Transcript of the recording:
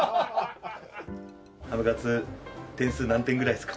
ハムカツ点数何点ぐらいですか？